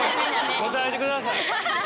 答えてください。